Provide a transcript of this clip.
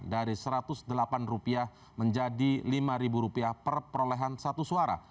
dari rp satu ratus delapan menjadi rp lima per perolehan satu suara